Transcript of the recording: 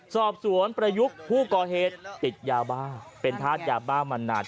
สอบสวนประยุกต์ผู้ก่อเหตุติดยาบ้าเป็นธาตุยาบ้ามานาน